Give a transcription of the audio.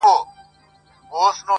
کورنۍ دننه جګړه روانه ده تل,